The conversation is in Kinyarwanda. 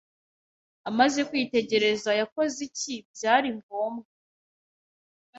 Amaze kwitegereza yakoze iki byari ngombwa